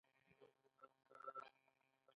د نجونو تعلیم د ناروغیو پوهاوي زیاتوي.